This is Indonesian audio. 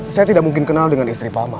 saya tidak mungkin kenal dengan istri pama